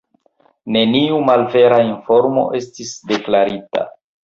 Neniu malvera informo estis deklarita.